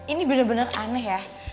ini bener bener aneh ya